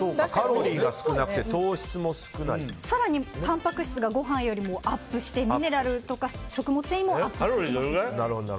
カロリーが少なくて更にたんぱく質がご飯よりもアップしてミネラルとか食物繊維もアップします。